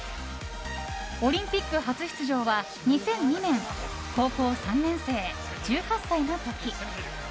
オリンピック初出場は２００２年高校３年生、１８歳の時。